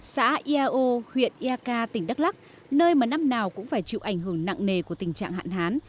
xã iao huyện iak tỉnh đắk lắc nơi mà năm nào cũng phải chịu ảnh hưởng nặng nề của tình trạng hạn hán